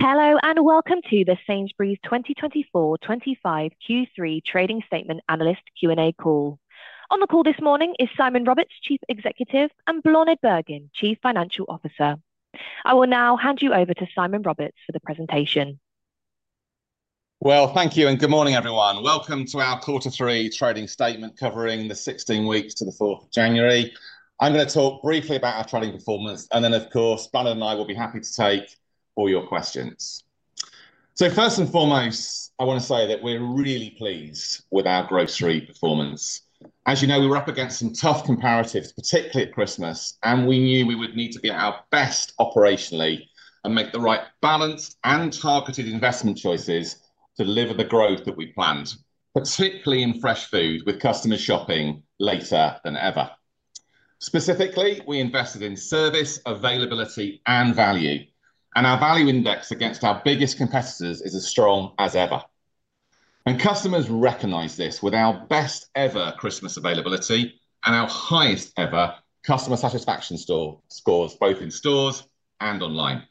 Hello and welcome to the Sainsbury's 2024-25 Q3 Trading Statement Analyst Q&A call. On the call this morning is Simon Roberts, Chief Executive, and Bláthnaid Bergin, Chief Financial Officer. I will now hand you over to Simon Roberts for the presentation. Thank you and good morning, everyone. Welcome to our Quarter Three Trading Statement covering the 16 weeks to the 4th of January. I'm going to talk briefly about our trading performance, and then, of course, Bláthnaid and I will be happy to take all your questions. First and foremost, I want to say that we're really pleased with our grocery performance. As you know, we were up against some tough comparatives, particularly at Christmas, and we knew we would need to be at our best operationally and make the right balanced and targeted investment choices to deliver the growth that we planned, particularly in fresh food with customers shopping later than ever. Specifically, we invested in service, availability, and value, and our value index against our biggest competitors is as strong as ever. And customers recognize this with our best-ever Christmas availability and our highest-ever customer satisfaction scores both in stores and online.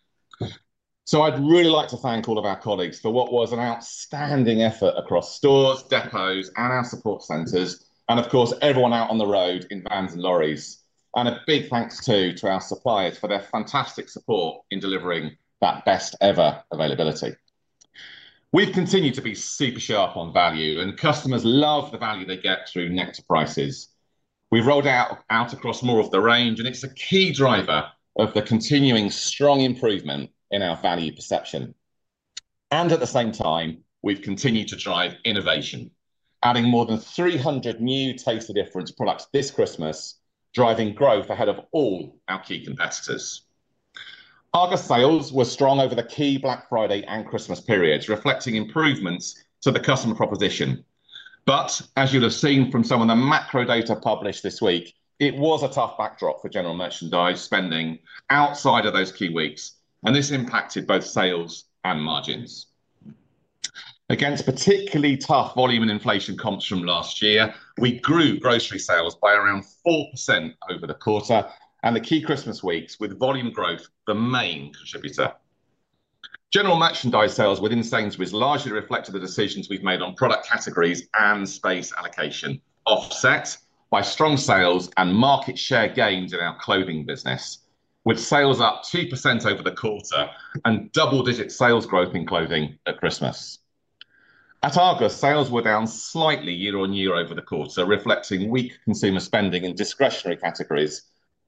So, I'd really like to thank all of our colleagues for what was an outstanding effort across stores, depots, and our support centers, and, of course, everyone out on the road in vans and lorries. And a big thanks too to our suppliers for their fantastic support in delivering that best-ever availability. We've continued to be super sharp on value, and customers love the value they get through Nectar Prices. We've rolled out across more of the range, and it's a key driver of the continuing strong improvement in our value perception. And at the same time, we've continued to drive innovation, adding more than 300 new Taste the Difference products this Christmas, driving growth ahead of all our key competitors. Our sales were strong over the key Black Friday and Christmas periods, reflecting improvements to the customer proposition. But, as you'll have seen from some of the macro data published this week, it was a tough backdrop for general merchandise spending outside of those key weeks, and this impacted both sales and margins. Against particularly tough volume and inflation comps from last year, we grew grocery sales by around 4% over the quarter, and the key Christmas weeks with volume growth the main contributor. General merchandise sales within Sainsbury's largely reflected the decisions we've made on product categories and space allocation, offset by strong sales and market share gains in our clothing business, with sales up 2% over the quarter and double-digit sales growth in clothing at Christmas. At Argos, sales were down slightly year on year over the quarter, reflecting weak consumer spending in discretionary categories,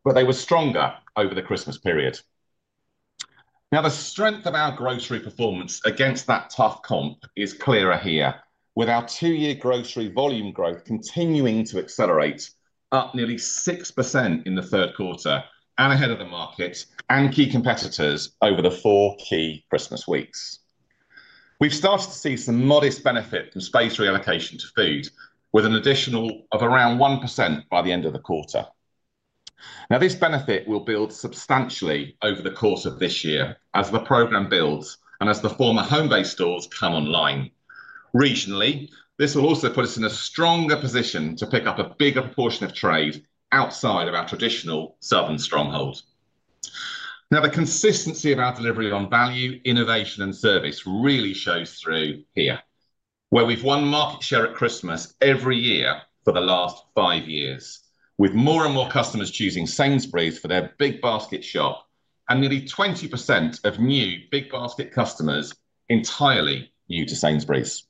but they were stronger over the Christmas period. Now, the strength of our grocery performance against that tough comp is clearer here, with our two-year grocery volume growth continuing to accelerate, up nearly 6% in the third quarter and ahead of the market and key competitors over the four key Christmas weeks. We've started to see some modest benefit from space reallocation to food, with an additional of around 1% by the end of the quarter. Now, this benefit will build substantially over the course of this year as the program builds and as the former Homebase stores come online. Regionally, this will also put us in a stronger position to pick up a bigger proportion of trade outside of our traditional southern stronghold. Now, the consistency of our delivery on value, innovation, and service really shows through here, where we've won market share at Christmas every year for the last five years, with more and more customers choosing Sainsbury's for their big basket shop and nearly 20% of new big basket customers entirely new to Sainsbury's.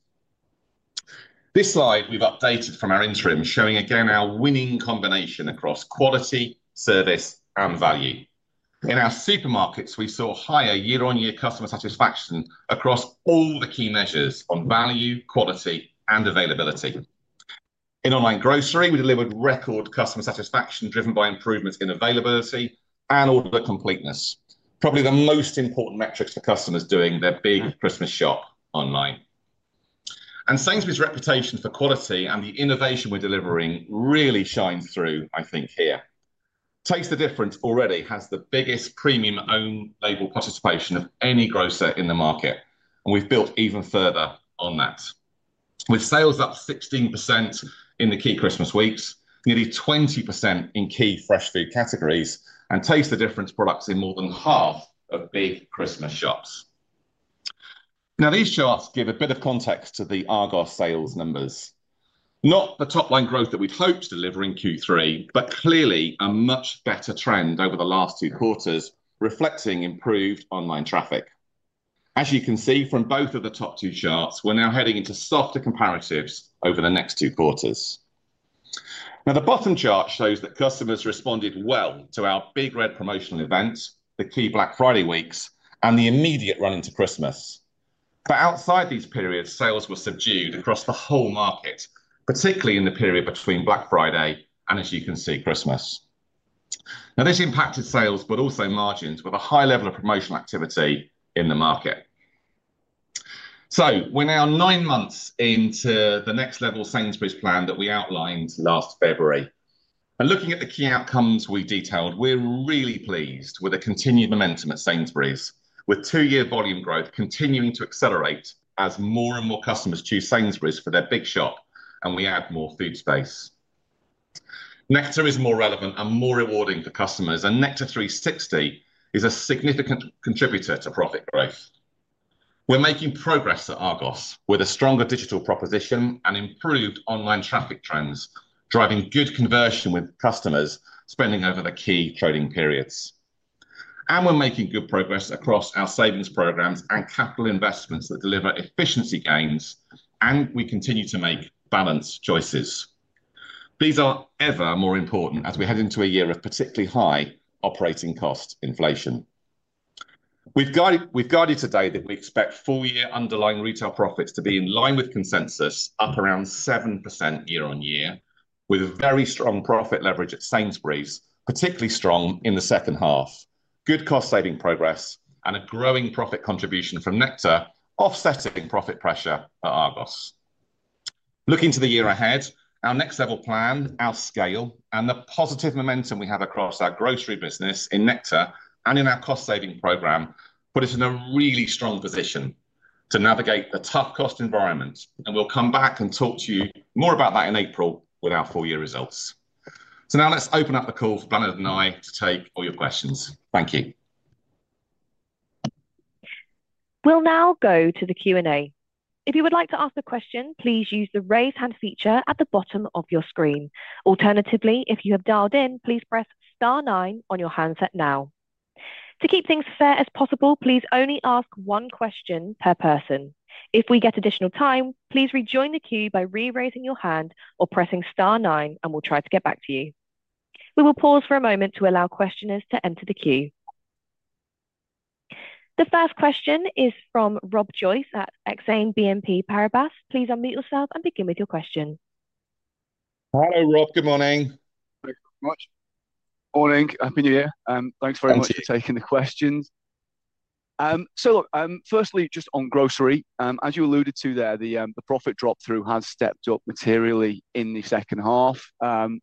This slide we've updated from our interim showing again our winning combination across quality, service, and value. In our supermarkets, we saw higher year-on-year customer satisfaction across all the key measures on value, quality, and availability. In online grocery, we delivered record customer satisfaction driven by improvements in availability and order completeness, probably the most important metrics for customers doing their big Christmas shop online. And Sainsbury's reputation for quality and the innovation we're delivering really shines through, I think, here. Taste the Difference already has the biggest premium-owned label participation of any grocer in the market, and we've built even further on that, with sales up 16% in the key Christmas weeks, nearly 20% in key fresh food categories, and Taste the Difference products in more than half of big Christmas shops. Now, these charts give a bit of context to the Argos sales numbers, not the top-line growth that we'd hoped to deliver in Q3, but clearly a much better trend over the last two quarters, reflecting improved online traffic. As you can see from both of the top two charts, we're now heading into softer comparatives over the next two quarters. Now, the bottom chart shows that customers responded well to our Big Red promotional events, the key Black Friday weeks, and the immediate run into Christmas. But outside these periods, sales were subdued across the whole market, particularly in the period between Black Friday and, as you can see, Christmas. Now, this impacted sales, but also margins, with a high level of promotional activity in the market. So, we're now nine months into the Next Level Sainsbury's plan that we outlined last February. And looking at the key outcomes we detailed, we're really pleased with the continued momentum at Sainsbury's, with two-year volume growth continuing to accelerate as more and more customers choose Sainsbury's for their big shop and we add more food space. Nectar is more relevant and more rewarding for customers, and Nectar 360 is a significant contributor to profit growth. We're making progress at Argos with a stronger digital proposition and improved online traffic trends, driving good conversion with customers spending over the key trading periods. We're making good progress across our savings programs and capital investments that deliver efficiency gains, and we continue to make balanced choices. These are ever more important as we head into a year of particularly high operating cost inflation. We've guided today that we expect full-year underlying retail profits to be in line with consensus, up around 7% year on year, with very strong profit leverage at Sainsbury's, particularly strong in the second half, good cost-saving progress, and a growing profit contribution from Nectar, offsetting profit pressure at Argos. Looking to the year ahead, our Next Level plan, our scale, and the positive momentum we have across our grocery business in Nectar and in our cost-saving program put us in a really strong position to navigate the tough cost environment. We'll come back and talk to you more about that in April with our full-year results. So now let's open up the call for Bláthnaid and I to take all your questions. Thank you. We'll now go to the Q&A. If you would like to ask a question, please use the raise hand feature at the bottom of your screen. Alternatively, if you have dialed in, please press star nine on your handset now. To keep things as fair as possible, please only ask one question per person. If we get additional time, please rejoin the queue by re-raising your hand or pressing star nine, and we'll try to get back to you. We will pause for a moment to allow questioners to enter the queue. The first question is from Rob Joyce at Exane BNP Paribas. Please unmute yourself and begin with your question. Hello, Rob. Good morning. Thank you very much. Morning. Happy New Year. Thanks very much for taking the questions. Look, firstly, just on grocery, as you alluded to there, the profit drop-through has stepped up materially in the second half,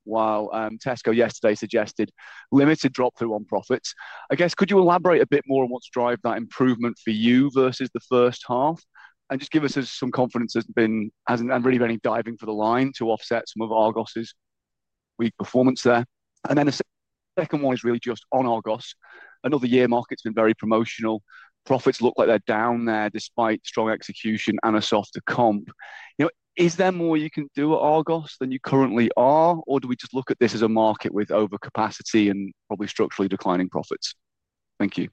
while Tesco yesterday suggested limited drop-through on profits. I guess, could you elaborate a bit more on what's driven that improvement for you versus the first half? And just give us some confidence there's been no real diving for the line to offset some of Argos's weak performance there. And then the second one is really just on Argos. Another year, market's been very promotional. Profits look like they're down there despite strong execution and a softer comp. Is there more you can do at Argos than you currently are, or do we just look at this as a market with overcapacity and probably structurally declining profits? Thank you.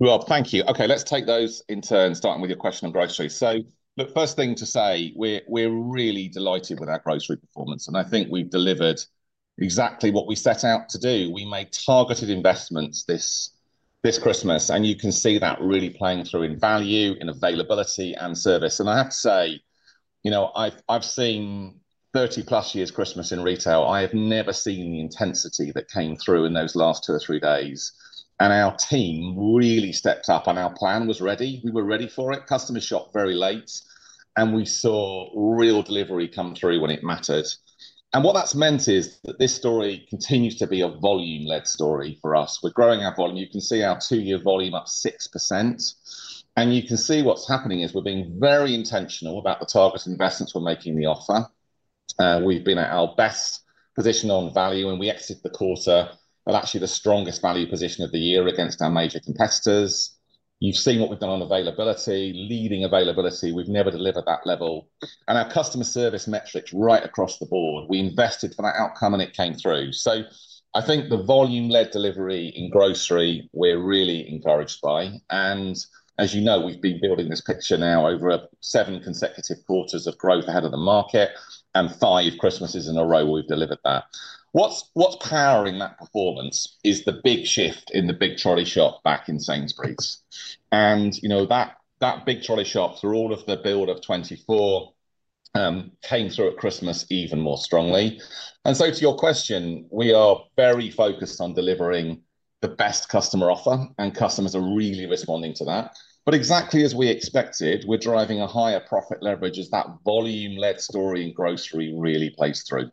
Rob, thank you. Okay, let's take those in turn, starting with your question on grocery. So look, first thing to say, we're really delighted with our grocery performance, and I think we've delivered exactly what we set out to do. We made targeted investments this Christmas, and you can see that really playing through in value, in availability, and service. And I have to say, you know I've seen 30-plus years Christmas in retail. I have never seen the intensity that came through in those last two or three days. And our team really stepped up, and our plan was ready. We were ready for it. Customers shopped very late, and we saw real delivery come through when it mattered. And what that's meant is that this story continues to be a volume-led story for us. We're growing our volume. You can see our two-year volume up 6%. You can see what's happening is we're being very intentional about the target investments we're making the offer. We've been at our best position on value, and we exited the quarter at actually the strongest value position of the year against our major competitors. You've seen what we've done on availability, leading availability. We've never delivered that level. Our customer service metrics right across the board. We invested for that outcome, and it came through. I think the volume-led delivery in grocery, we're really encouraged by. As you know, we've been building this picture now over seven consecutive quarters of growth ahead of the market and five Christmases in a row we've delivered that. What's powering that performance is the big shift in the big trolley shop back in Sainsbury's. You know that big trolley shop through all of the build of 2024 came through at Christmas even more strongly. So to your question, we are very focused on delivering the best customer offer, and customers are really responding to that. Exactly as we expected, we're driving a higher profit leverage as that volume-led story in grocery really plays through.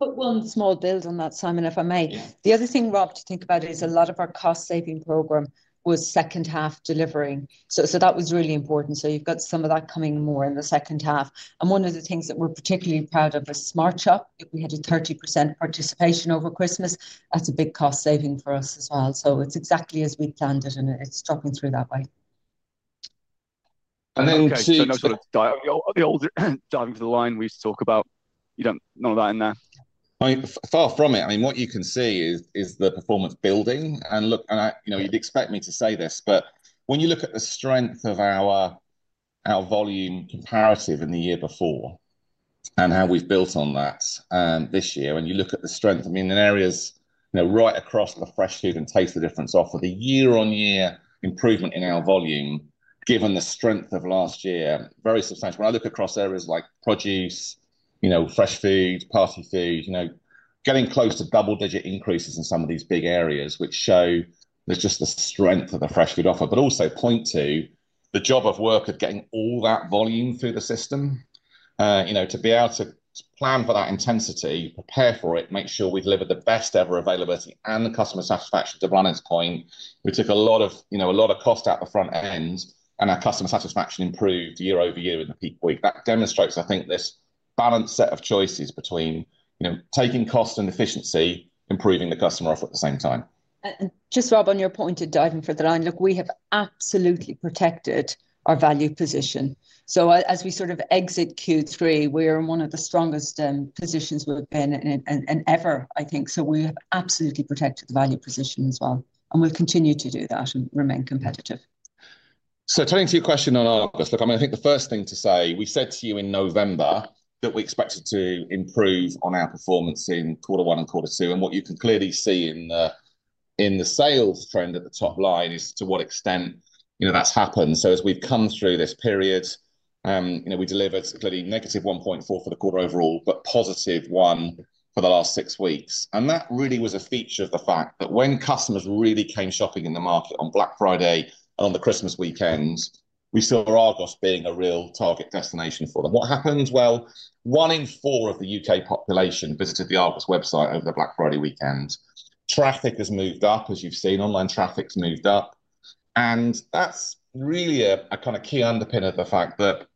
Put one small build on that, Simon, if I may. The other thing, Rob, to think about is a lot of our cost-saving program was second-half delivering. So that was really important. So you've got some of that coming more in the second half. And one of the things that we're particularly proud of is SmartShop. We had a 30% participation over Christmas. That's a big cost-saving for us as well. So it's exactly as we planned it, and it's dropping through that way. And then to sort of diving for the line we used to talk about. You don't want that in there? Far from it. I mean, what you can see is the performance building. And look, you'd expect me to say this, but when you look at the strength of our volume comparative in the year before and how we've built on that this year, and you look at the strength, I mean, in areas right across the fresh food and Taste the Difference offer, the year-on-year improvement in our volume, given the strength of last year, very substantial. When I look across areas like produce, fresh food, party food, getting close to double-digit increases in some of these big areas, which show just the strength of the fresh food offer, but also point to the job of work of getting all that volume through the system. To be able to plan for that intensity, prepare for it, make sure we deliver the best-ever availability and the customer satisfaction to Bláthnaid's point. We took a lot of cost out the front end, and our customer satisfaction improved year over year in the peak week. That demonstrates, I think, this balanced set of choices between taking cost and efficiency, improving the customer offer at the same time. And just, Rob, on your point to diving for the line, look, we have absolutely protected our value position. So as we sort of exit Q3, we are in one of the strongest positions we've been in ever, I think. So we have absolutely protected the value position as well, and we'll continue to do that and remain competitive. So turning to your question on Argos, look. I mean, I think the first thing to say, we said to you in November that we expected to improve on our performance in quarter one and quarter two. And what you can clearly see in the sales trend at the top line is to what extent that's happened. So as we've come through this period, we delivered clearly -1.4% for the quarter overall, but +1% for the last six weeks. And that really was a feature of the fact that when customers really came shopping in the market on Black Friday and on the Christmas weekends, we saw Argos being a real target destination for them. What happened? Well, one in four of the U.K. population visited the Argos website over the Black Friday weekend. Traffic has moved up, as you've seen. Online traffic's moved up. And that's really a kind of key underpin of the fact that,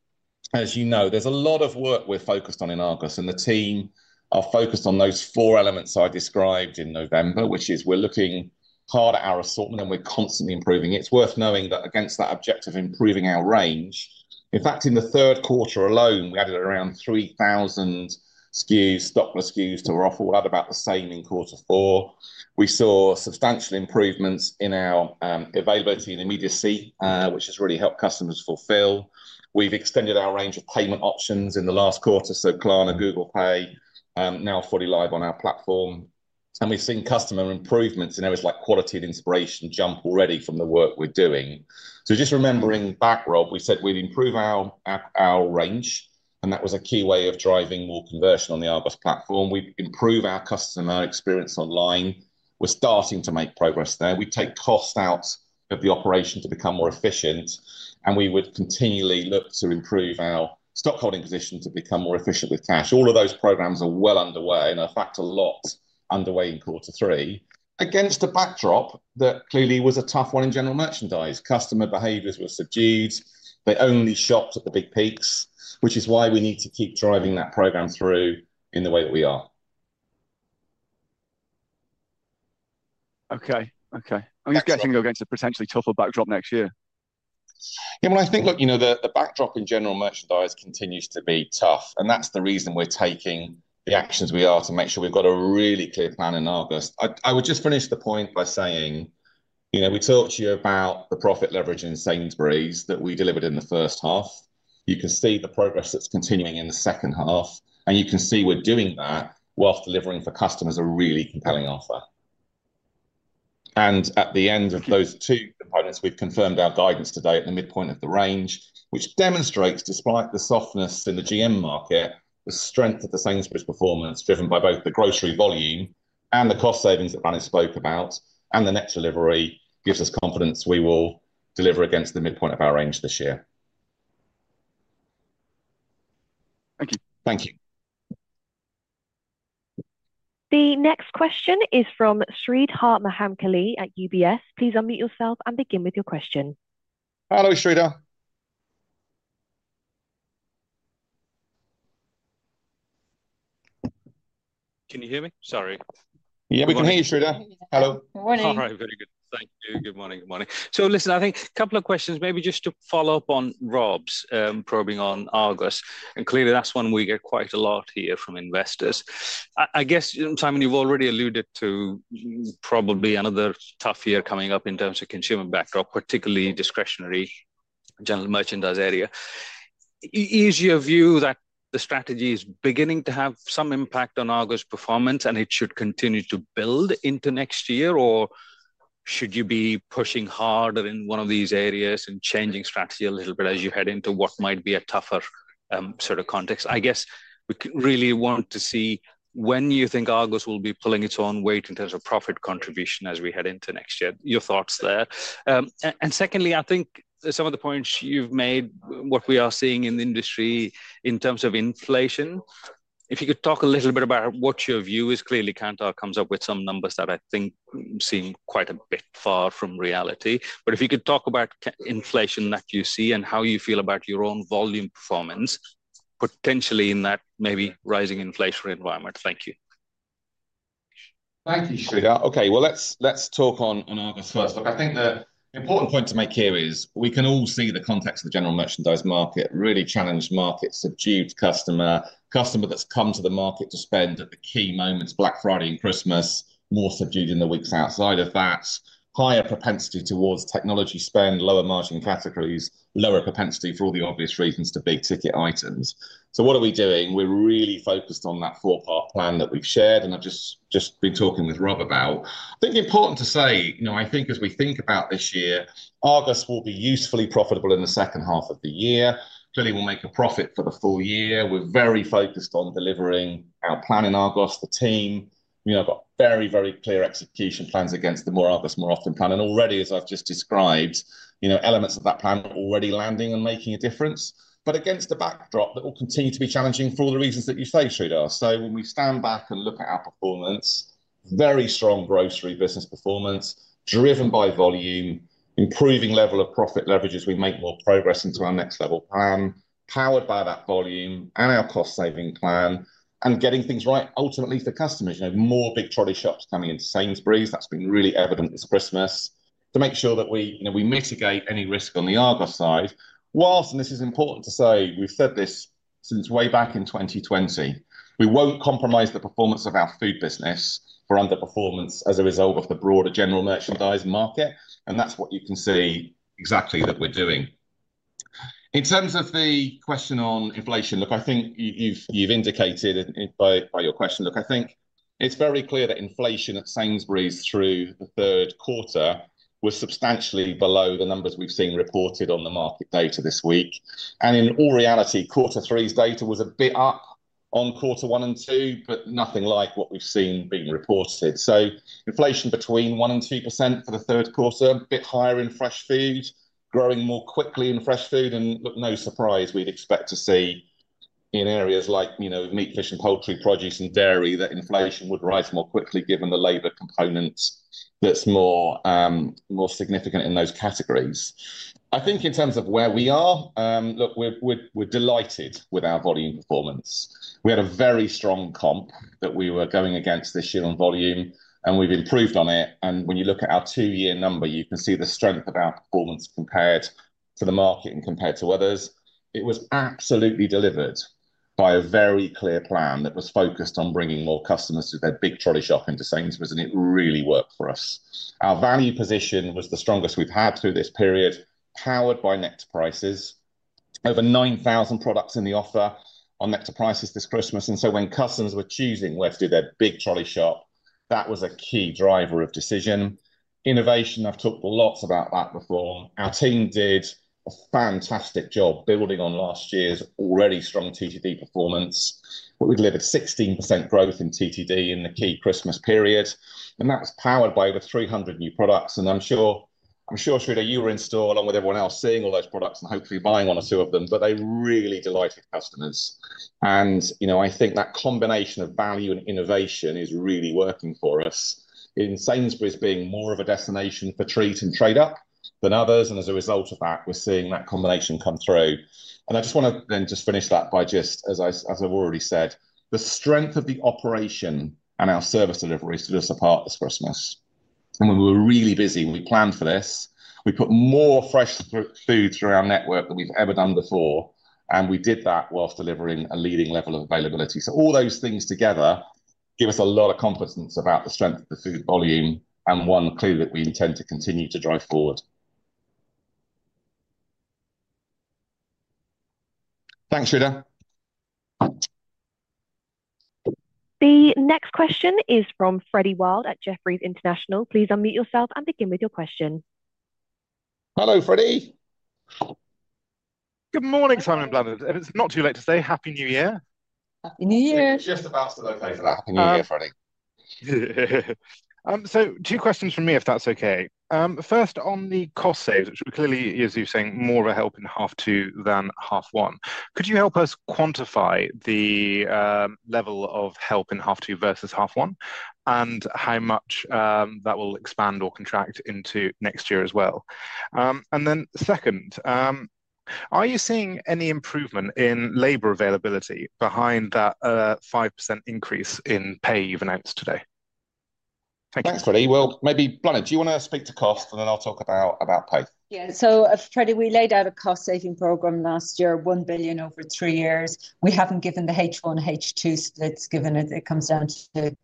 as you know, there's a lot of work we're focused on in Argos, and the team are focused on those four elements I described in November, which is we're looking hard at our assortment, and we're constantly improving. It's worth knowing that against that objective of improving our range, in fact, in the third quarter alone, we added around 3,000 SKUs, stockless SKUs to our offer. We'll add about the same in quarter four. We saw substantial improvements in our availability and immediacy, which has really helped customers fulfill. We've extended our range of payment options in the last quarter, so Klarna, Google Pay, now fully live on our platform. And we've seen customer improvements in areas like quality and inspiration jump already from the work we're doing. So just remembering back, Rob, we said we'd improve our range, and that was a key way of driving more conversion on the Argos platform. We improve our customer experience online. We're starting to make progress there. We take cost out of the operation to become more efficient, and we would continually look to improve our stockholding position to become more efficient with cash. All of those programs are well underway, and in fact, a lot underway in quarter three against a backdrop that clearly was a tough one in general merchandise. Customer behaviors were subdued. They only shopped at the big peaks, which is why we need to keep driving that program through in the way that we are. Okay. Okay. I'm just guessing you're going to potentially tougher backdrop next year. Yeah, well, I think, look, you know the backdrop in general merchandise continues to be tough, and that's the reason we're taking the actions we are to make sure we've got a really clear plan in August. I would just finish the point by saying we talked to you about the profit leverage in Sainsbury's that we delivered in the first half. You can see the progress that's continuing in the second half, and you can see we're doing that while delivering for customers a really compelling offer. At the end of those two components, we've confirmed our guidance today at the midpoint of the range, which demonstrates, despite the softness in the GM market, the strength of the Sainsbury's performance driven by both the grocery volume and the cost savings that Bláthnaid spoke about, and the net delivery gives us confidence we will deliver against the midpoint of our range this year. Thank you. Thank you. The next question is from Sreedhar Mahamkali at UBS. Please unmute yourself and begin with your question. Hello, Sreedhar. Can you hear me? Sorry. Yeah, we can hear you, Sreedhar. Hello. Good morning. All right. Very good. Thank you. Good morning. Good morning. So listen, I think a couple of questions, maybe just to follow up on Rob's probing on Argos. And clearly, that's one we get quite a lot here from investors. I guess, Simon, you've already alluded to probably another tough year coming up in terms of consumer backdrop, particularly discretionary general merchandise area. Is your view that the strategy is beginning to have some impact on Argos performance, and it should continue to build into next year, or should you be pushing harder in one of these areas and changing strategy a little bit as you head into what might be a tougher sort of context? I guess we really want to see when you think Argos will be pulling its own weight in terms of profit contribution as we head into next year. Your thoughts there. And secondly, I think some of the points you've made, what we are seeing in the industry in terms of inflation, if you could talk a little bit about what your view is? Clearly, Kantar comes up with some numbers that I think seem quite a bit far from reality. But if you could talk about inflation that you see and how you feel about your own volume performance, potentially in that maybe rising inflationary environment? Thank you. Thank you, Sreedhar. Okay, well, let's talk on Argos first. Look, I think the important point to make here is we can all see the context of the general merchandise market, really challenged market, subdued customer, customer that's come to the market to spend at the key moments, Black Friday and Christmas, more subdued in the weeks outside of that, higher propensity towards technology spend, lower margin categories, lower propensity for all the obvious reasons to big ticket items. So what are we doing? We're really focused on that four-part plan that we've shared, and I've just been talking with Rob about. I think important to say, I think as we think about this year, Argos will be usefully profitable in the second half of the year. Clearly, we'll make a profit for the full year. We're very focused on delivering our plan in Argos. The team got very, very clear execution plans against the More Argos, More Often plan. And already, as I've just described, elements of that plan are already landing and making a difference. But against the backdrop, it will continue to be challenging for all the reasons that you say, Sreedhar. So when we stand back and look at our performance, very strong grocery business performance, driven by volume, improving level of profit leverage as we make more progress into our next level plan, powered by that volume and our cost-saving plan, and getting things right ultimately for customers. More big trolley shops coming into Sainsbury's. That's been really evident this Christmas to make sure that we mitigate any risk on the Argos side. While, and this is important to say, we've said this since way back in 2020, we won't compromise the performance of our food business for underperformance as a result of the broader general merchandise market. And that's what you can see exactly that we're doing. In terms of the question on inflation, look, I think you've indicated by your question, look, I think it's very clear that inflation at Sainsbury's through the third quarter was substantially below the numbers we've seen reported on the market data this week. And in all reality, quarter three's data was a bit up on quarter one and two, but nothing like what we've seen being reported. So inflation between 1% and 2% for the third quarter, a bit higher in fresh food, growing more quickly in fresh food. And look, no surprise. We'd expect to see in areas like meat, fish, and poultry, produce, and dairy that inflation would rise more quickly given the labor component that's more significant in those categories. I think in terms of where we are, look, we're delighted with our volume performance. We had a very strong comp that we were going against this year on volume, and we've improved on it. And when you look at our two-year number, you can see the strength of our performance compared to the market and compared to others. It was absolutely delivered by a very clear plan that was focused on bringing more customers to their big trolley shop into Sainsbury's, and it really worked for us. Our value position was the strongest we've had through this period, powered by Nectar Prices. Over 9,000 products in the offer on Nectar Prices this Christmas. And so when customers were choosing where to do their big trolley shop, that was a key driver of decision. Innovation, I've talked lots about that before. Our team did a fantastic job building on last year's already strong TTD performance. We delivered 16% growth in TTD in the key Christmas period. And that was powered by over 300 new products. And I'm sure, Sreedhar, you were in store along with everyone else seeing all those products and hopefully buying one or two of them, but they really delighted customers. And I think that combination of value and innovation is really working for us in Sainsbury's being more of a destination for treat and trade-up than others. And as a result of that, we're seeing that combination come through. I just want to then just finish that by just, as I've already said, the strength of the operation and our service delivery is to see us in good stead this Christmas. When we were really busy and we planned for this, we put more fresh food through our network than we've ever done before. We did that whilst delivering a leading level of availability. So all those things together give us a lot of confidence about the strength of the food volume, and once clear that we intend to continue to drive forward. Thanks, Sreedhar. The next question is from Freddie Wild at Jefferies International. Please unmute yourself and begin with your question. Hello, Freddie. Good morning, Simon and Bláthnaid. It's not too late to say Happy New Year. Happy New Year. You're just about to elaborate on that. Happy New Year, Freddie. So two questions from me, if that's okay. First, on the cost savings, which we clearly hear you saying more of a help in half two than half one. Could you help us quantify the level of help in half two versus half one and how much that will expand or contract into next year as well? And then second, are you seeing any improvement in labor availability behind that 5% increase in pay you've announced today? Thank you. Thanks, Freddie. Well, maybe Bláthnaid, do you want to speak to cost, and then I'll talk about pay? Yeah. So Freddie, we laid out a cost-saving program last year, 1 billion over three years. We haven't given the H1, H2 splits given it. It comes down to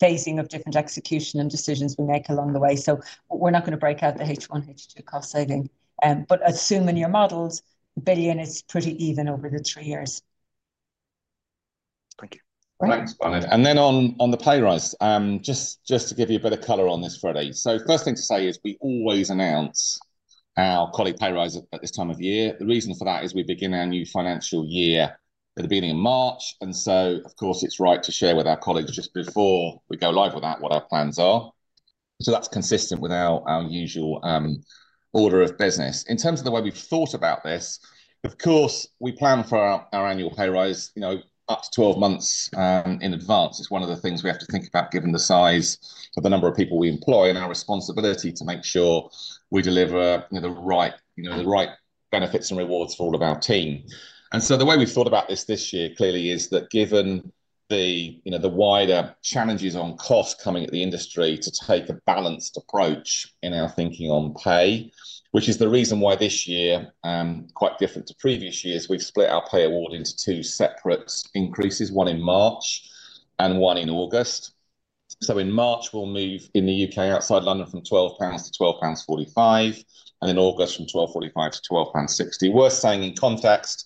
phasing of different execution and decisions we make along the way. So we're not going to break out the H1, H2 cost saving. But assume in your models, 1 billion is pretty even over the three years. Thank you. Thanks, Bláthnaid. And then on the pay rise, just to give you a bit of color on this, Freddie. So first thing to say is we always announce our colleague pay rise at this time of year. The reason for that is we begin our new financial year at the beginning of March. And so, of course, it's right to share with our colleagues just before we go live with that what our plans are. So that's consistent with our usual order of business. In terms of the way we've thought about this, of course, we plan for our annual pay rise up to 12 months in advance. It's one of the things we have to think about given the size of the number of people we employ and our responsibility to make sure we deliver the right benefits and rewards for all of our team. And so the way we've thought about this this year clearly is that given the wider challenges on cost coming at the industry to take a balanced approach in our thinking on pay, which is the reason why this year, quite different to previous years, we've split our pay award into two separate increases, one in March and one in August. So in March, we'll move in the U.K. outside London from £12-£12.45, and in August from £12.45-£12.60. Worth saying in context,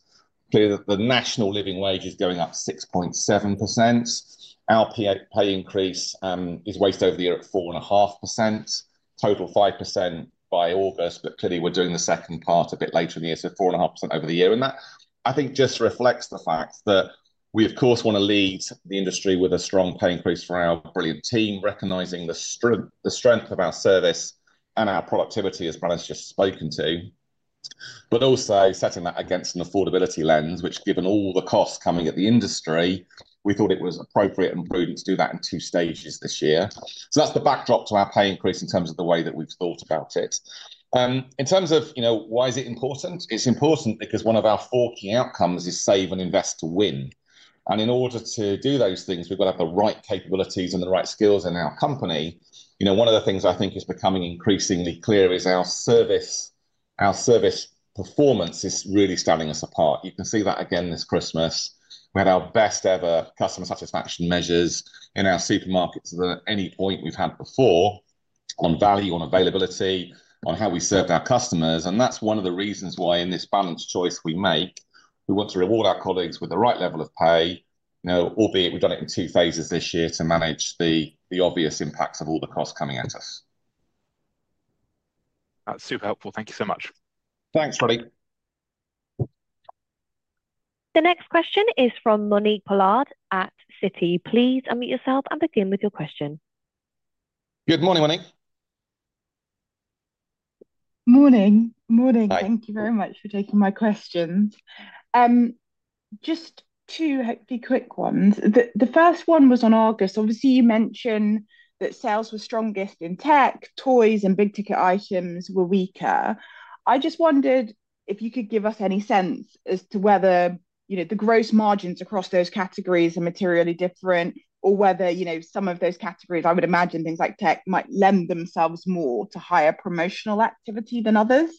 clearly the National Living Wage is going up 6.7%. Our pay increase weighs over the year at 4.5%, total 5% by August, but clearly we're doing the second part a bit later in the year. So 4.5% over the year. That, I think, just reflects the fact that we, of course, want to lead the industry with a strong pay increase for our brilliant team, recognizing the strength of our service and our productivity, as Bláthnaid's just spoken to, but also setting that against an affordability lens, which, given all the costs coming at the industry, we thought it was appropriate and prudent to do that in two stages this year. So that's the backdrop to our pay increase in terms of the way that we've thought about it. In terms of why is it important? It's important because one of our four key outcomes is Save and Invest to Win. And in order to do those things, we've got to have the right capabilities and the right skills in our company. One of the things I think is becoming increasingly clear is our service performance is really standing us apart. You can see that again this Christmas. We had our best-ever customer satisfaction measures in our supermarkets at any point we've had before on value, on availability, on how we serve our customers. And that's one of the reasons why in this balanced choice we make, we want to reward our colleagues with the right level of pay, albeit we've done it in two phases this year to manage the obvious impacts of all the costs coming at us. That's super helpful. Thank you so much. Thanks, Freddy. The next question is from Monique Pollard at Citi. Please unmute yourself and begin with your question. Good morning, Monique. Morning. Morning. Thank you very much for taking my questions. Just two quick ones. The first one was on Argos. Obviously, you mentioned that sales were strongest in tech, toys, and big-ticket items were weaker. I just wondered if you could give us any sense as to whether the gross margins across those categories are materially different or whether some of those categories, I would imagine things like tech, might lend themselves more to higher promotional activity than others.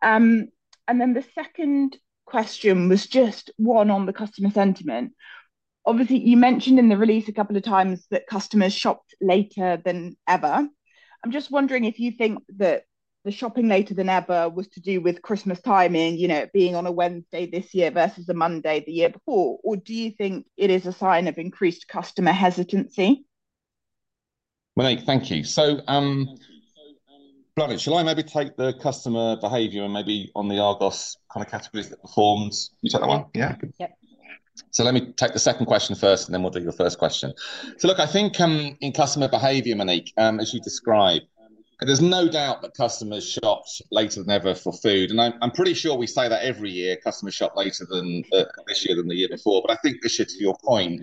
And then the second question was just one on the customer sentiment. Obviously, you mentioned in the release a couple of times that customers shopped later than ever. I'm just wondering if you think that the shopping later than ever was to do with Christmas timing, being on a Wednesday this year versus a Monday the year before, or do you think it is a sign of increased customer hesitancy? Monique, thank you. So Bláthnaid, shall I maybe take the customer behavior and maybe on the Argos kind of categories that performs? You take that one? Yeah. So let me take the second question first, and then we'll do your first question. So look, I think in customer behavior, Monique, as you describe, there's no doubt that customers shopped later than ever for food. And I'm pretty sure we say that every year, customers shopped later than this year than the year before. But I think this year, to your point,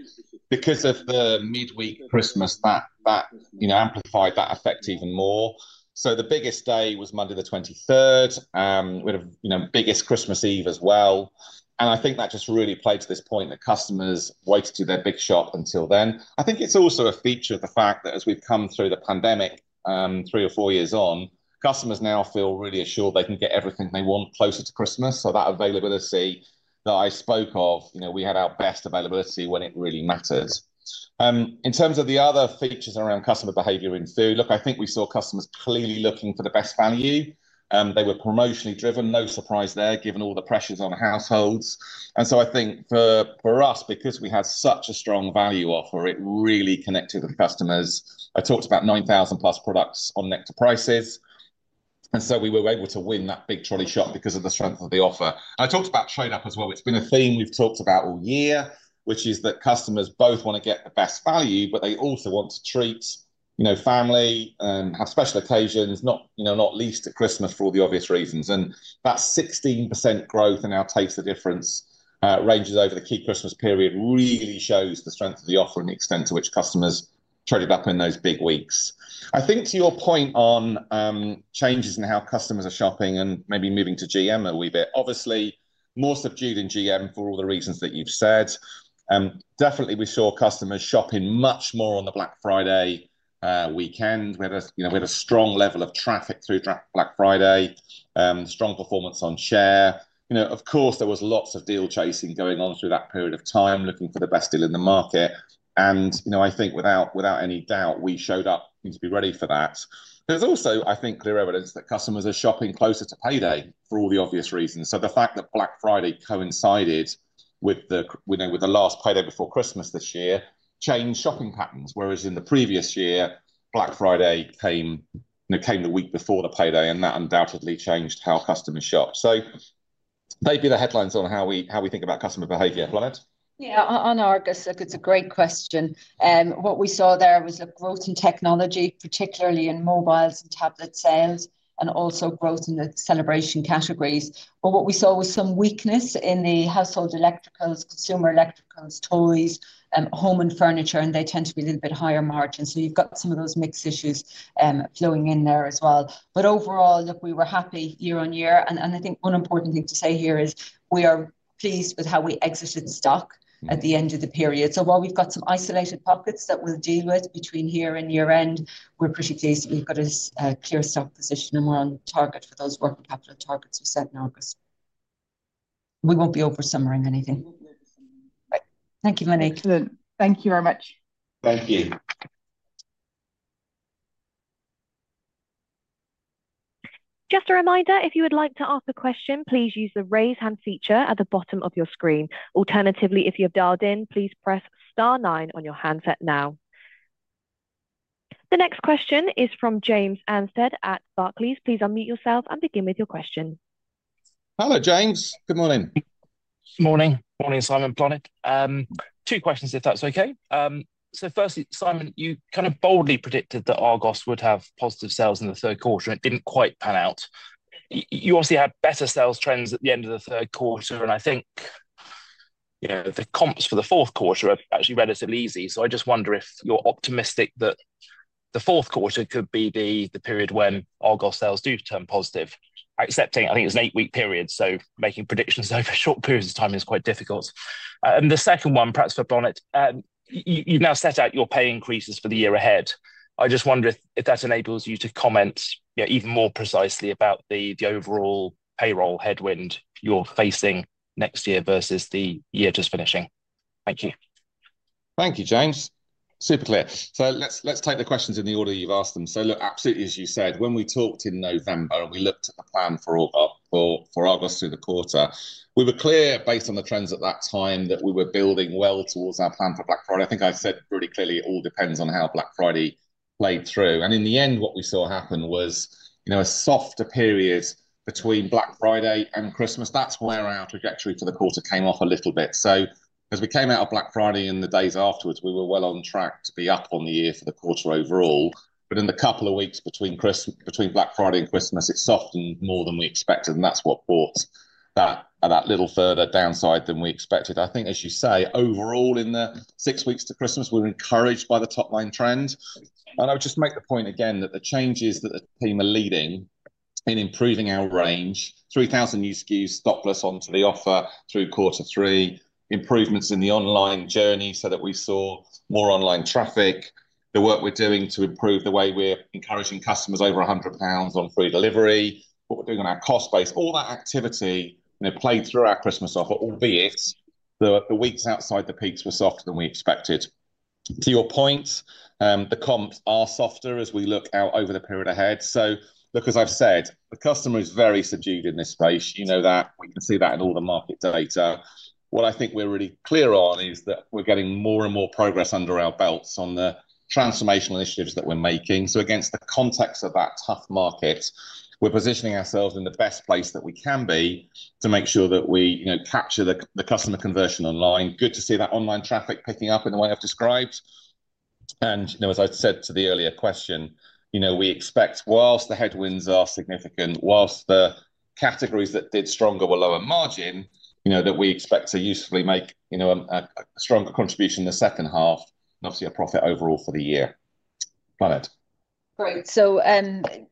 because of the midweek Christmas, that amplified that effect even more. So the biggest day was Monday the 23rd. We had a biggest Christmas Eve as well. And I think that just really played to this point that customers waited to their big shop until then. I think it's also a feature of the fact that as we've come through the pandemic three or four years on, customers now feel really assured they can get everything they want closer to Christmas. So that availability that I spoke of, we had our best availability when it really mattered. In terms of the other features around customer behavior in food, look, I think we saw customers clearly looking for the best value. They were promotionally driven, no surprise there, given all the pressures on households. And so I think for us, because we had such a strong value offer, it really connected with customers. I talked about 9,000 plus products on Nectar Prices. And so we were able to win that big trolley shop because of the strength of the offer. I talked about trade-up as well. It's been a theme we've talked about all year, which is that customers both want to get the best value, but they also want to treat family and have special occasions, not least at Christmas for all the obvious reasons. And that 16% growth in our Taste the Difference ranges over the key Christmas period really shows the strength of the offer and the extent to which customers traded up in those big weeks. I think to your point on changes in how customers are shopping and maybe moving to GM a wee bit, obviously more subdued in GM for all the reasons that you've said. Definitely, we saw customers shopping much more on the Black Friday weekend. We had a strong level of traffic through Black Friday, strong performance on share. Of course, there was lots of deal chasing going on through that period of time looking for the best deal in the market. And I think without any doubt, we showed up to be ready for that. There's also, I think, clear evidence that customers are shopping closer to payday for all the obvious reasons. So the fact that Black Friday coincided with the last payday before Christmas this year changed shopping patterns, whereas in the previous year, Black Friday came the week before the payday, and that undoubtedly changed how customers shopped. So maybe the headlines on how we think about customer behavior, Bláthnaid? Yeah, on Argos, it's a great question. What we saw there was a growth in technology, particularly in mobiles and tablet sales, and also growth in the celebration categories, but what we saw was some weakness in the household electricals, consumer electricals, toys, home and furniture, and they tend to be a little bit higher margins, so you've got some of those mixed issues flowing in there as well, but overall, look, we were happy year on year, and I think one important thing to say here is we are pleased with how we exited stock at the end of the period, so while we've got some isolated pockets that we'll deal with between year and year-end, we're pretty pleased that we've got a clear stock position, and we're on target for those working capital targets we set in August. We won't be oversummering anything. Thank you, Monique. Excellent. Thank you very much. Thank you. Just a reminder, if you would like to ask a question, please use the raise hand feature at the bottom of your screen. Alternatively, if you have dialed in, please press star nine on your handset now. The next question is from James Anstead at Barclays. Please unmute yourself and begin with your question. Hello, James. Good morning. Morning. Morning, Simon and Bláthnaid. Two questions, if that's okay. So firstly, Simon, you kind of boldly predicted that Argos would have positive sales in the third quarter, and it didn't quite pan out. You obviously had better sales trends at the end of the third quarter, and I think the comps for the fourth quarter are actually relatively easy. So I just wonder if you're optimistic that the fourth quarter could be the period when Argos sales do turn positive, accepting I think it's an eight-week period. So making predictions over short periods of time is quite difficult. And the second one, perhaps for Bláthnaid, you've now set out your pay increases for the year ahead. I just wonder if that enables you to comment even more precisely about the overall payroll headwind you're facing next year versus the year just finishing. Thank you. Thank you, James. Super clear. So let's take the questions in the order you've asked them. So look, absolutely, as you said, when we talked in November and we looked at the plan for Argos through the quarter, we were clear based on the trends at that time that we were building well towards our plan for Black Friday. I think I said pretty clearly it all depends on how Black Friday played through. And in the end, what we saw happen was a softer period between Black Friday and Christmas. That's where our trajectory for the quarter came off a little bit. So as we came out of Black Friday and the days afterwards, we were well on track to be up on the year for the quarter overall. But in the couple of weeks between Black Friday and Christmas, it softened more than we expected, and that's what brought that little further downside than we expected. I think, as you say, overall in the six weeks to Christmas, we're encouraged by the top-line trend. And I would just make the point again that the changes that the team are leading in improving our range, 3,000 new SKUs stockless onto the offer through quarter three, improvements in the online journey so that we saw more online traffic, the work we're doing to improve the way we're encouraging customers over £100 on free delivery, what we're doing on our cost base, all that activity played through our Christmas offer, albeit the weeks outside the peaks were softer than we expected. To your point, the comps are softer as we look out over the period ahead. So look, as I've said, the customer is very subdued in this space. You know that. We can see that in all the market data. What I think we're really clear on is that we're getting more and more progress under our belts on the transformational initiatives that we're making. So against the context of that tough market, we're positioning ourselves in the best place that we can be to make sure that we capture the customer conversion online. Good to see that online traffic picking up in the way I've described. And as I said to the earlier question, we expect, while the headwinds are significant, while the categories that did stronger were lower margin, that we expect to usefully make a stronger contribution in the second half and obviously a profit overall for the year. Bláthnaid. Great, so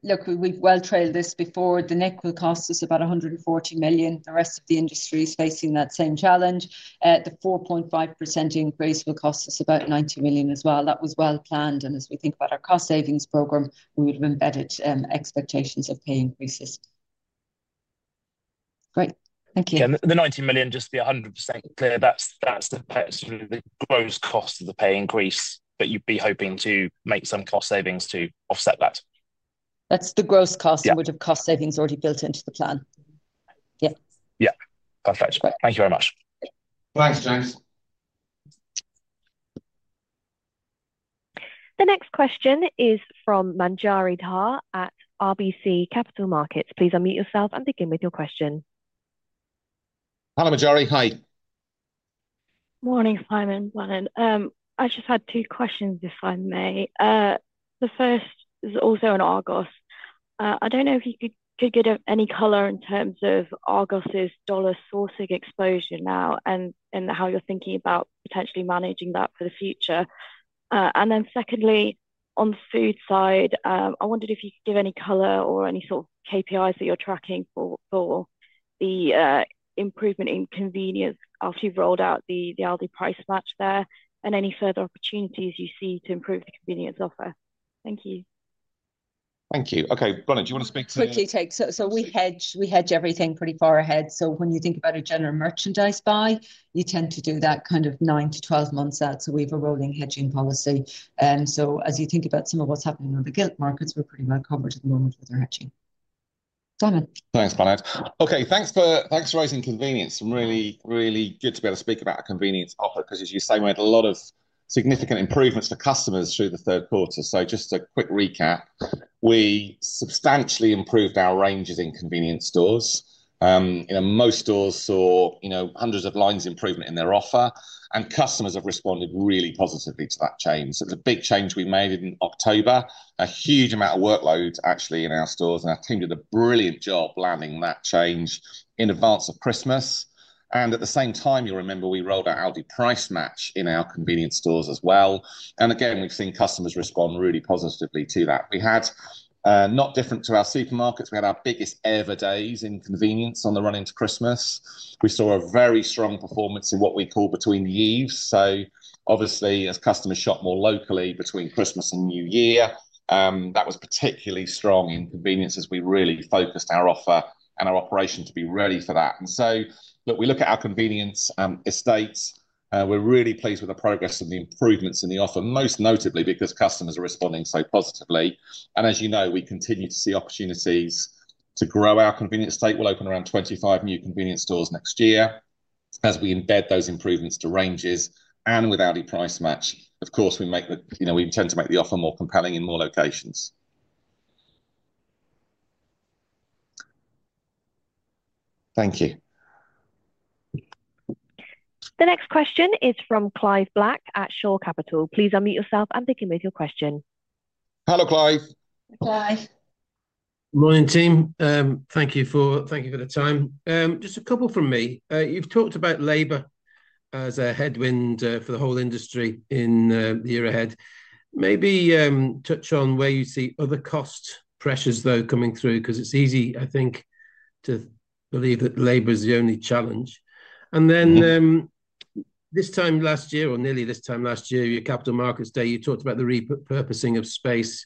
look, we've well trailed this before. The Nector will cost us about 140 million. The rest of the industry is facing that same challenge. The 4.5% increase will cost us about 90 million as well. That was well planned, and as we think about our cost savings program, we would have embedded expectations of pay increases. Great. Thank you. Yeah, the 90 million, just to be 100% clear, that's the gross cost of the pay increase, but you'd be hoping to make some cost savings to offset that. That's the gross cost. You would have cost savings already built into the plan. Yeah. Yeah. Perfect. Thank you very much. Thanks, James. The next question is from Manjari Dhar at RBC Capital Markets. Please unmute yourself and begin with your question. Hello, Manjari. Hi. Morning, Simon, Bláthnaid. I just had two questions, if I may. The first is also on Argos. I don't know if you could give any color in terms of Argos's dollar sourcing exposure now and how you're thinking about potentially managing that for the future. And then secondly, on the food side, I wondered if you could give any color or any sort of KPIs that you're tracking for the improvement in convenience after you've rolled out the Aldi Price Match there and any further opportunities you see to improve the convenience offer. Thank you. Thank you. Okay, Bláthnaid, do you want to speak to? Quickly take. So we hedge everything pretty far ahead. So when you think about a general merchandise buy, you tend to do that kind of nine to 12 months out. So we have a rolling hedging policy. And so as you think about some of what's happening on the gilt markets, we're pretty well covered at the moment with our hedging. Simon. Thanks, Bláthnaid. Okay, thanks for raising convenience. Really, really good to be able to speak about a convenience offer because, as you say, we had a lot of significant improvements for customers through the third quarter. So just a quick recap. We substantially improved our ranges in convenience stores. Most stores saw hundreds of lines of improvement in their offer, and customers have responded really positively to that change. So it's a big change we made in October, a huge amount of workload actually in our stores, and our team did a brilliant job landing that change in advance of Christmas. And at the same time, you'll remember we rolled out Aldi Price Match in our convenience stores as well. And again, we've seen customers respond really positively to that. We had, not different to our supermarkets, we had our biggest ever days in convenience on the run into Christmas. We saw a very strong performance in what we call between the years. So obviously, as customers shopped more locally between Christmas and New Year, that was particularly strong in convenience as we really focused our offer and our operation to be ready for that. And so look, we look at our convenience estates. We're really pleased with the progress and the improvements in the offer, most notably because customers are responding so positively. And as you know, we continue to see opportunities to grow our convenience estate. We'll open around 25 new convenience stores next year as we embed those improvements to ranges and with Aldi Price Match. Of course, we tend to make the offer more compelling in more locations. Thank you. The next question is from Clive Black at Shore Capital. Please unmute yourself and begin with your question. Hello, Clive. Hi, Clive. Morning, team. Thank you for the time. Just a couple from me. You've talked about labor as a headwind for the whole industry in the year ahead. Maybe touch on where you see other cost pressures, though, coming through because it's easy, I think, to believe that labor is the only challenge. And then this time last year, or nearly this time last year, your Capital Markets Day, you talked about the repurposing of space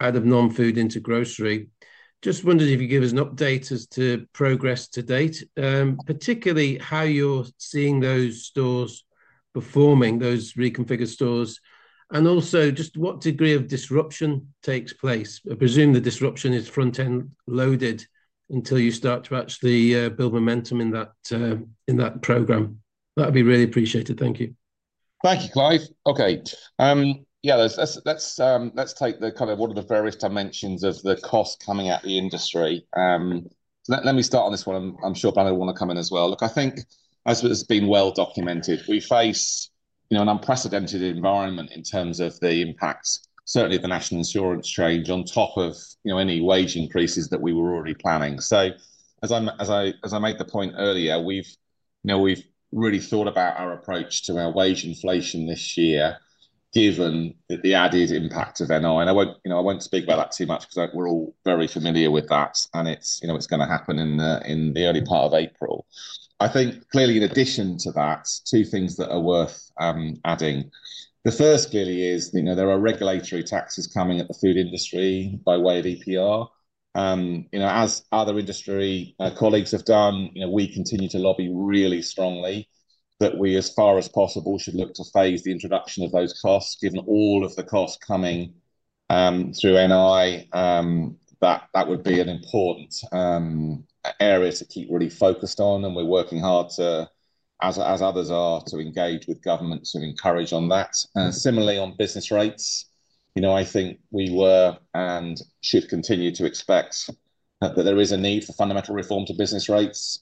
out of non-food into grocery. Just wondering if you could give us an update as to progress to date, particularly how you're seeing those stores performing, those reconfigured stores, and also just what degree of disruption takes place. I presume the disruption is front-end loaded until you start to actually build momentum in that program. That'd be really appreciated. Thank you. Thank you, Clive. Okay. Yeah, let's take the kind of what are the various dimensions of the cost coming at the industry. Let me start on this one. I'm sure Bláthnaid will want to come in as well. Look, I think, as it's been well documented, we face an unprecedented environment in terms of the impacts, certainly of the National Insurance change, on top of any wage increases that we were already planning. So as I made the point earlier, we've really thought about our approach to our wage inflation this year, given the added impact of NI. And I won't speak about that too much because we're all very familiar with that, and it's going to happen in the early part of April. I think, clearly, in addition to that, two things that are worth adding. The first, clearly, is there are regulatory taxes coming at the food industry by way of EPR. As other industry colleagues have done, we continue to lobby really strongly that we, as far as possible, should look to phase the introduction of those costs. Given all of the costs coming through NI, that would be an important area to keep really focused on, and we're working hard, as others are, to engage with government to encourage on that. Similarly, on business rates, I think we were and should continue to expect that there is a need for fundamental reform to business rates.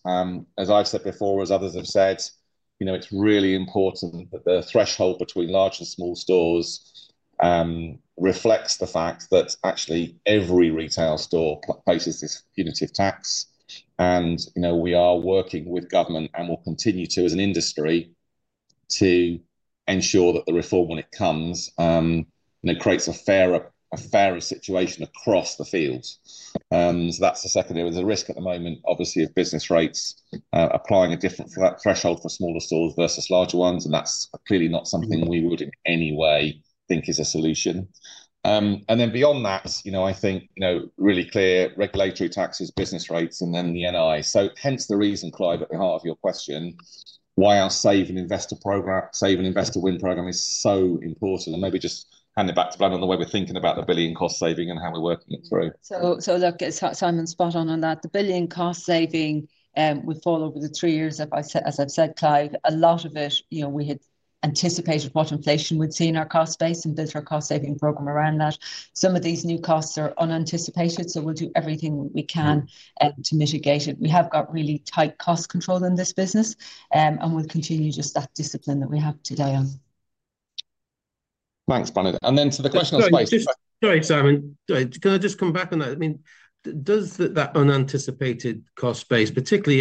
As I've said before, as others have said, it's really important that the threshold between large and small stores reflects the fact that actually every retail store places this punitive tax. And we are working with government, and we'll continue to, as an industry, to ensure that the reform, when it comes, creates a fairer situation across the field. So that's the second area. There's a risk at the moment, obviously, of business rates applying a different threshold for smaller stores versus larger ones, and that's clearly not something we would in any way think is a solution. And then beyond that, I think really clear regulatory taxes, business rates, and then the NI. So hence the reason, Clive, at the heart of your question, why our Save and Invest to Win program is so important. And maybe just hand it back to Bláthnaid on the way we're thinking about the £1 billion cost saving and how we're working it through. Look, Simon's spot on on that. The billion cost saving would fall over the three years, as I've said, Clive. A lot of it, we had anticipated what inflation we'd see in our cost base and built our cost saving program around that. Some of these new costs are unanticipated, so we'll do everything we can to mitigate it. We have got really tight cost control in this business, and we'll continue just that discipline that we have today on. Thanks, Bláthnaid. And then to the question on space. Sorry, Simon. Can I just come back on that? I mean, does that unanticipated cost base, particularly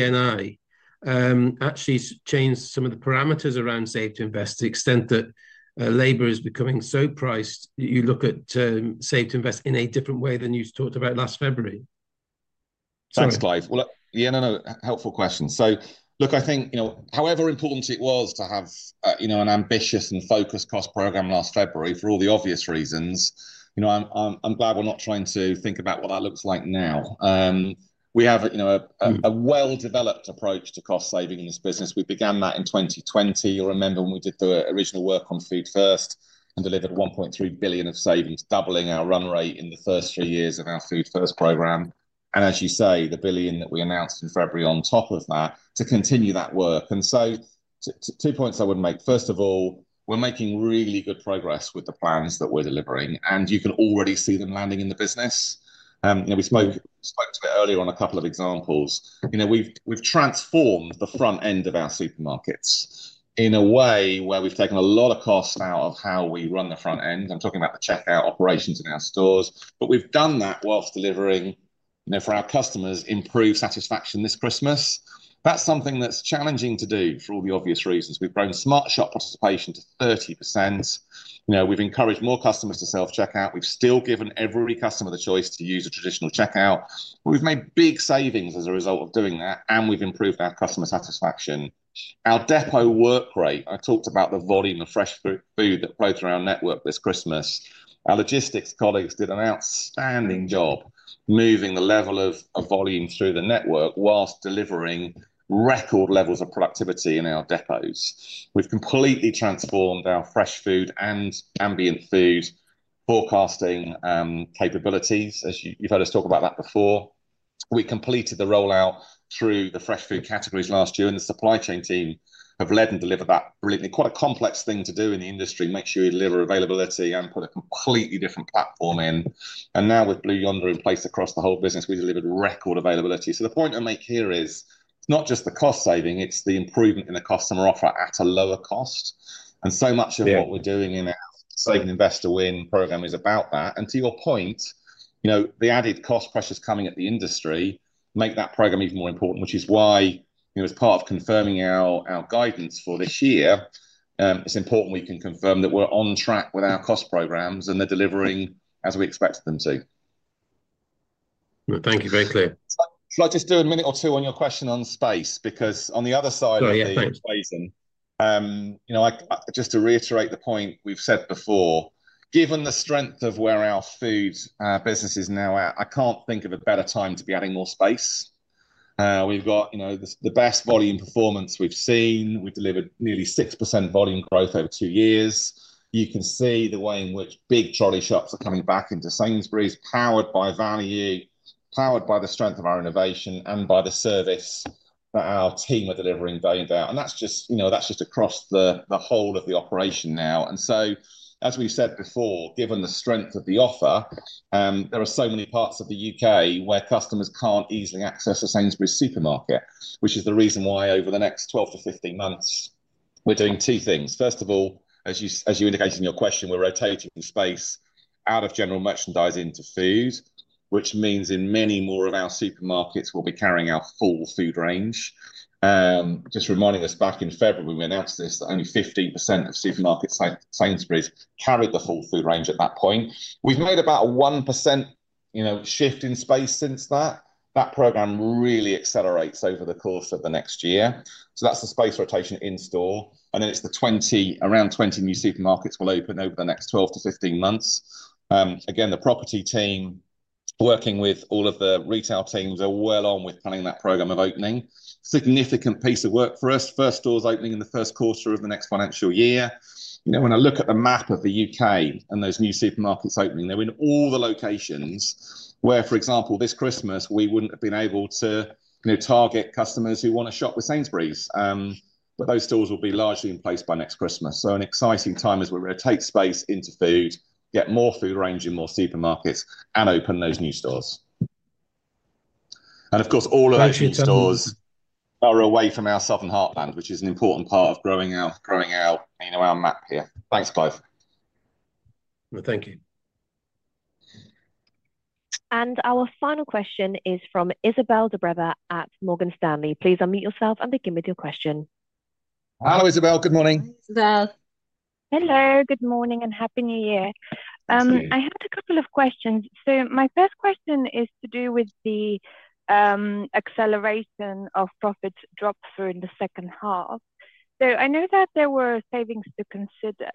NI, actually change some of the parameters around Save to Invest to the extent that labor is becoming so priced that you look at Save to Invest in a different way than you talked about last February? Thanks, Clive. Well, yeah, no, no, helpful question. So look, I think however important it was to have an ambitious and focused cost program last February for all the obvious reasons, I'm glad we're not trying to think about what that looks like now. We have a well-developed approach to cost saving in this business. We began that in 2020. You'll remember when we did the original work on Food First and delivered 1.3 billion of savings, doubling our run rate in the first three years of our Food First program. And as you say, the 1 billion that we announced in February on top of that to continue that work. And so two points I would make. First of all, we're making really good progress with the plans that we're delivering, and you can already see them landing in the business. We spoke to it earlier on a couple of examples. We've transformed the front end of our supermarkets in a way where we've taken a lot of costs out of how we run the front end. I'm talking about the checkout operations in our stores, but we've done that whilst delivering for our customers improved satisfaction this Christmas. That's something that's challenging to do for all the obvious reasons. We've grown SmartShop participation to 30%. We've encouraged more customers to self-checkout. We've still given every customer the choice to use a traditional checkout. We've made big savings as a result of doing that, and we've improved our customer satisfaction. Our depot work rate. I talked about the volume of fresh food that flowed through our network this Christmas. Our logistics colleagues did an outstanding job moving the level of volume through the network while delivering record levels of productivity in our depots. We've completely transformed our fresh food and ambient food forecasting capabilities, as you've heard us talk about that before. We completed the rollout through the fresh food categories last year, and the supply chain team have led and delivered that brilliantly. Quite a complex thing to do in the industry, make sure you deliver availability and put a completely different platform in, and now with Blue Yonder in place across the whole business, we delivered record availability, so the point I make here is it's not just the cost saving, it's the improvement in the customer offer at a lower cost, and so much of what we're doing in our Save and Invest to Win program is about that. And to your point, the added cost pressures coming at the industry make that program even more important, which is why, as part of confirming our guidance for this year, it's important we can confirm that we're on track with our cost programs and they're delivering as we expect them to. Thank you. Very clear. Should I just do a minute or two on your question on space? Because on the other side of the equation, just to reiterate the point we've said before, given the strength of where our food business is now at, I can't think of a better time to be adding more space. We've got the best volume performance we've seen. We've delivered nearly 6% volume growth over two years. You can see the way in which big trolley shops are coming back into Sainsbury's, powered by value, powered by the strength of our innovation, and by the service that our team are delivering day in, day out. And that's just across the whole of the operation now. And so, as we said before, given the strength of the offer, there are so many parts of the U.K. where customers can't easily access a Sainsbury's supermarket, which is the reason why over the next 12-15 months, we're doing two things. First of all, as you indicated in your question, we're rotating space out of general merchandise into food, which means in many more of our supermarkets, we'll be carrying our full food range. Just reminding us, back in February, we announced this, that only 15% of supermarkets like Sainsbury's carried the full food range at that point. We've made about a 1% shift in space since that. That program really accelerates over the course of the next year. So that's the space rotation in store. And then it's the 20, around 20 new supermarkets will open over the next 12-15 months. Again, the property team working with all of the retail teams are well on with planning that program of opening. Significant piece of work for us. First stores opening in the first quarter of the next financial year. When I look at the map of the U.K. and those new supermarkets opening, they're in all the locations where, for example, this Christmas, we wouldn't have been able to target customers who want to shop with Sainsbury's. But those stores will be largely in place by next Christmas. An exciting time as we rotate space into food, get more food range in more supermarkets, and open those new stores. Of course, all of our new stores are away from our southern heartland, which is an important part of growing our map here. Thanks, Clive. Thank you. Our final question is from Izabel at Morgan Stanley. Please unmute yourself and begin with your question. Hello, Izabel. Good morning. Hi, Izabel. Hello. Good morning and happy New Year. I had a couple of questions. So my first question is to do with the acceleration of profits dropped through in the second half. So I know that there were savings to consider,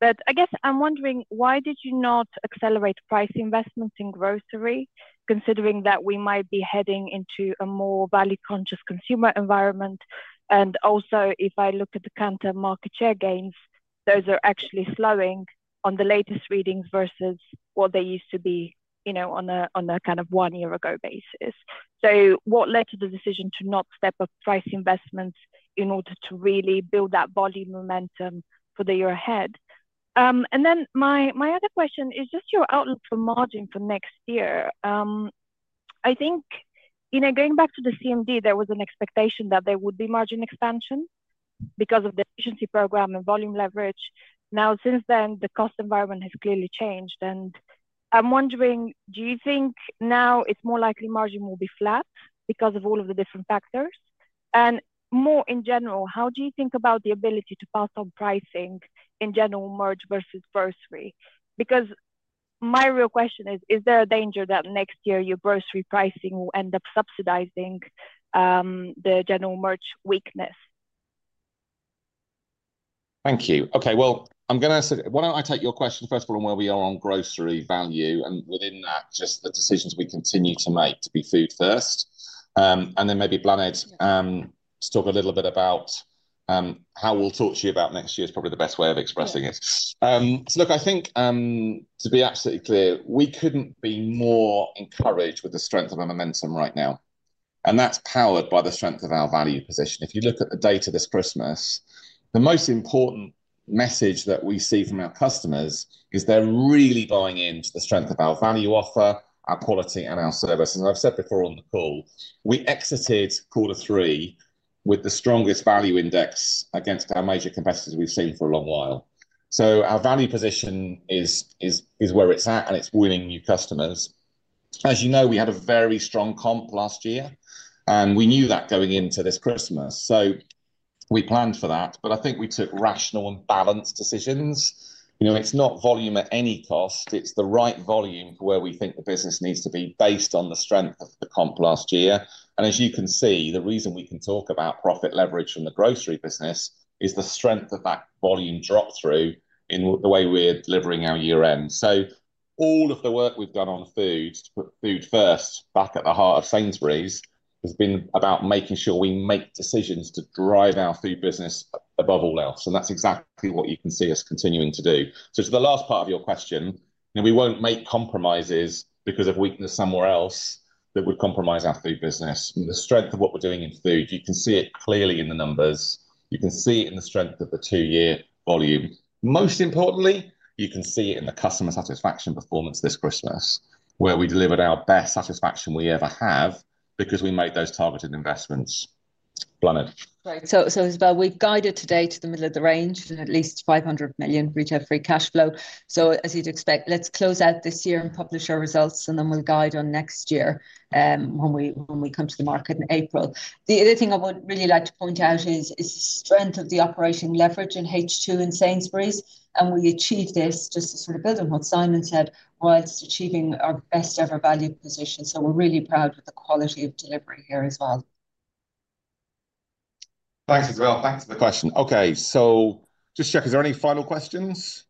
but I guess I'm wondering, why did you not accelerate price investments in grocery, considering that we might be heading into a more value-conscious consumer environment? And also, if I look at the Kantar market share gains, those are actually slowing on the latest readings versus what they used to be on a kind of one-year-ago basis. So what led to the decision to not step up price investments in order to really build that volume momentum for the year ahead? And then my other question is just your outlook for margin for next year. I think going back to the CMD, there was an expectation that there would be margin expansion because of the efficiency program and volume leverage. Now, since then, the cost environment has clearly changed, and I'm wondering, do you think now it's more likely margin will be flat because of all of the different factors, and more in general, how do you think about the ability to pass on pricing in general merch versus grocery? Because my real question is, is there a danger that next year your grocery pricing will end up subsidizing the general merch weakness? Thank you. Okay. Well, I'm going to take your question first on where we are on grocery value and within that, just the decisions we continue to make to be Food First, and then maybe Bláthnaid to talk a little bit about how we'll talk to you about next year is probably the best way of expressing it, so look, I think to be absolutely clear, we couldn't be more encouraged with the strength of our momentum right now, and that's powered by the strength of our value position. If you look at the data this Christmas, the most important message that we see from our customers is they're really buying into the strength of our value offer, our quality, and our service. As I've said before on the call, we exited quarter three with the strongest value index against our major competitors we've seen for a long while. So our value position is where it's at, and it's winning new customers. As you know, we had a very strong comp last year, and we knew that going into this Christmas. So we planned for that, but I think we took rational and balanced decisions. It's not volume at any cost. It's the right volume to where we think the business needs to be based on the strength of the comp last year. And as you can see, the reason we can talk about profit leverage from the grocery business is the strength of that volume drop through in the way we're delivering our year-end. So all of the work we've done on food, Food First, back at the heart of Sainsbury's, has been about making sure we make decisions to drive our food business above all else. And that's exactly what you can see us continuing to do. So to the last part of your question, we won't make compromises because of weakness somewhere else that would compromise our food business. The strength of what we're doing in food, you can see it clearly in the numbers. You can see it in the strength of the two-year volume. Most importantly, you can see it in the customer satisfaction performance this Christmas, where we delivered our best satisfaction we ever have because we made those targeted investments. Bláthnaid. Right. So Izabel, we've guided today to the middle of the range and at least 500 million Retail Free Cash Flow. So as you'd expect, let's close out this year and publish our results, and then we'll guide on next year when we come to the market in April. The other thing I would really like to point out is the strength of the operating leverage in H2 in Sainsbury's. And we achieved this just to sort of build on what Simon said while just achieving our best-ever value position. So we're really proud of the quality of delivery here as well. Thanks, Izabel. Thanks for the question. Okay, so just check, is there any final questions?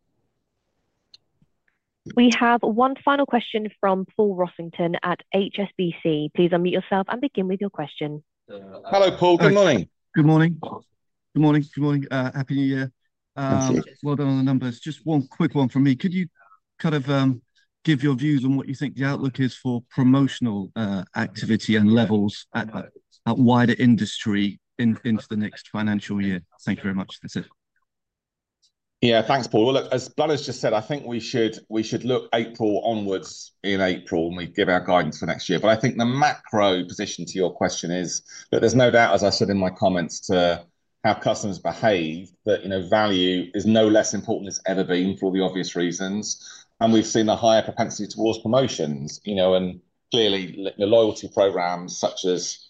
We have one final question from Paul Rossington at HSBC. Please unmute yourself and begin with your question. Hello, Paul. Good morning. Good morning. Happy New Year. Well done on the numbers. Just one quick one from me. Could you kind of give your views on what you think the outlook is for promotional activity and levels at wider industry into the next financial year? Thank you very much. That's it. Yeah. Thanks, Paul. Well, look, as Bláthnaid just said, I think we should look April onwards in April and we give our guidance for next year. But I think the macro position to your question is that there's no doubt, as I said in my comments, to how customers behave, that value is no less important than it's ever been for all the obvious reasons. And we've seen a higher propensity towards promotions. And clearly, the loyalty programs such as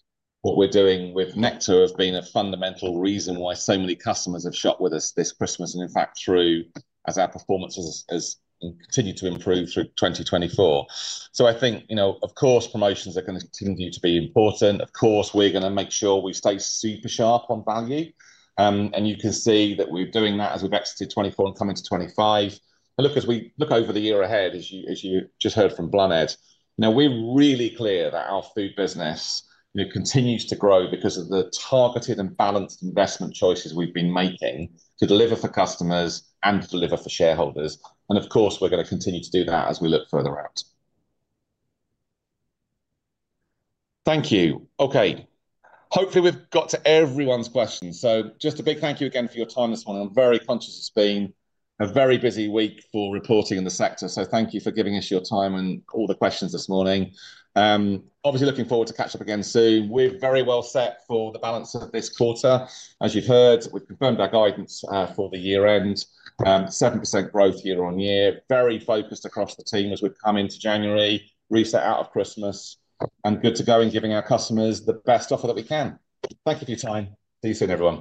what we're doing with Nectar have been a fundamental reason why so many customers have shopped with us this Christmas and in fact through 2024 as our performance has continued to improve through 2024. So I think, of course, promotions are going to continue to be important. Of course, we're going to make sure we stay super sharp on value. You can see that we're doing that as we've exited 2024 and come into 2025. Look, as we look over the year ahead, as you just heard from Bláthnaid, now we're really clear that our food business continues to grow because of the targeted and balanced investment choices we've been making to deliver for customers and to deliver for shareholders. Of course, we're going to continue to do that as we look further out. Thank you. Okay. Hopefully, we've got to everyone's questions. Just a big thank you again for your time this morning. I'm very conscious it's been a very busy week for reporting in the sector. Thank you for giving us your time and all the questions this morning. Obviously, looking forward to catching up again soon. We're very well set for the balance of this quarter. As you've heard, we've confirmed our guidance for the year-end, 7% growth year on year, very focused across the team as we've come into January, reset out of Christmas, and good to go in giving our customers the best offer that we can. Thank you for your time. See you soon, everyone.